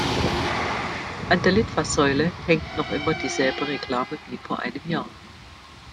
An der Litfaßsäule hängt noch immer dieselbe Reklame wie vor einem Jahr.